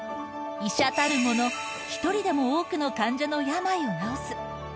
医者たるもの、一人でも多くの患者の病を治す。